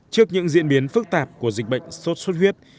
trước những diễn biến phức tạp của dịch bệnh suốt suốt huyết